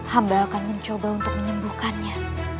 hamba akan mencoba untuk menyembuhkannya